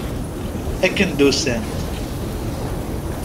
Akken d-usant.